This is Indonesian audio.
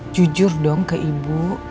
jujur dong ke ibu